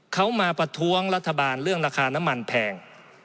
เขามาประท้วงรัฐบาลเรื่องราคาน้ำมันแพง